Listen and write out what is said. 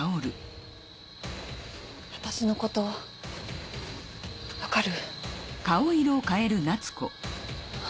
私のことわかる？